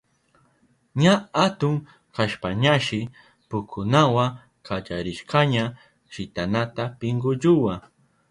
Ña atun kashpañashi pukunawa kallarishkaña shitanata pinkulluwa.